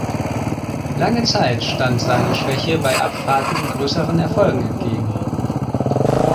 Lange Zeit stand seine Schwäche bei Abfahrten größeren Erfolgen entgegen.